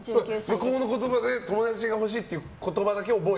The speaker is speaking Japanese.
向こうの言葉で友達が欲しいという言葉だけで。